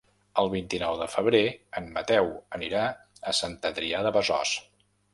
El vint-i-nou de febrer en Mateu anirà a Sant Adrià de Besòs.